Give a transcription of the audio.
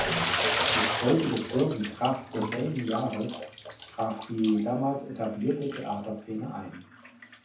Als Folge des Börsenkrachs desselben Jahres brach die damals etablierte Theaterszene ein.